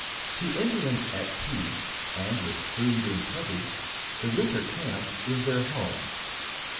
To Indians at peace, and with food in plenty, the winter camp is their home.